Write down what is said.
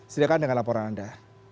silakan dengan laporan anda